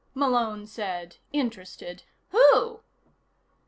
Malone said, interested. "Who?"